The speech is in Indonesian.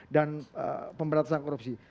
dan pemberantasan korupsi